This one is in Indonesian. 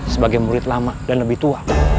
sebagai murid lama dan lebih tua